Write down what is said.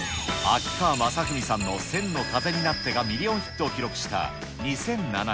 秋川雅史さんの千の風になってがミリオンヒットを記録した、２００７年。